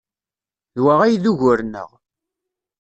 D wa ay d ugur-nneɣ.